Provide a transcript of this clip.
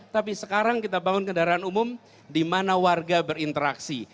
tapi sekarang kita bangun kendaraan umum di mana warga berinteraksi